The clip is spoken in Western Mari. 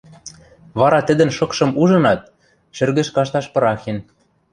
вара тӹдӹн шыкшым ужынат, шӹргӹш кашташ пырахен.